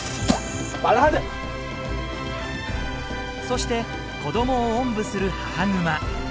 そして子どもをおんぶする母グマ。